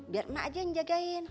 biar mak aja yang jagain